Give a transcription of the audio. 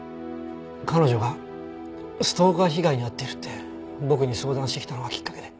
彼女がストーカー被害に遭っているって僕に相談してきたのがきっかけで。